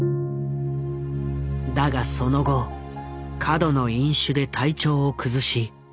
だがその後過度の飲酒で体調を崩し妻とも離婚。